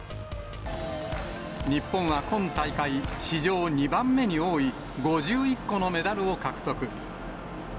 日本は今大会、史上２番目に多い５１個のメダルを獲得。